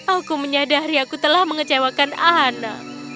aku menyadari aku telah mengecewakan ana